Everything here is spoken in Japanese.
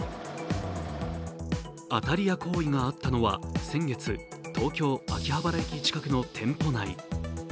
当たり屋行為があったのは先月、東京・秋葉原駅近くの店舗内。